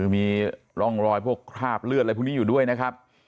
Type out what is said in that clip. มีร่องรอยพวกคราบเลือดอะไรพวกนี้อยู่ด้วยนะครับ